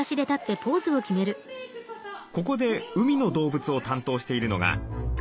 ここで海の動物を担当しているのが。